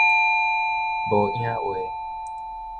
無影話